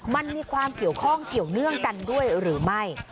มันมีความเกี่ยวข้องเกี่ยวเนื่องกันด้วยหรือไม่